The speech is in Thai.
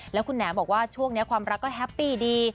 แล้วคุณแหน่บอกว่าช่วงนี้ความรักก็แฮปปี้ดี